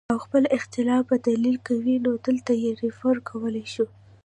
او خپل اختلاف پۀ دليل کوي نو دلته ئې ريفر کولے شئ